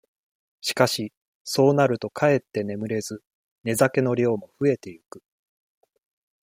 しかし、そうなるとかえって眠れず寝酒の量もふえてゆく。